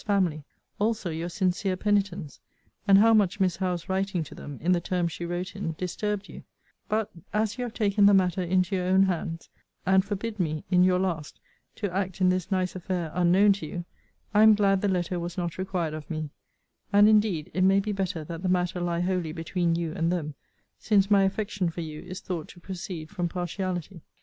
's family; also your sincere penitence; and how much Miss Howe's writing to them, in the terms she wrote in, disturbed you but, as you have taken the matter into your own hands, and forbid me, in your last, to act in this nice affair unknown to you, I am glad the letter was not required of me and indeed it may be better that the matter lie wholly between you and them; since my affection for you is thought to proceed from partiality.